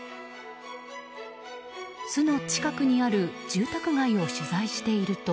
巣の近くにある住宅街を取材していると。